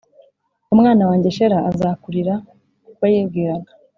umwana wanjye Shela azakurira Kuko yibwiraga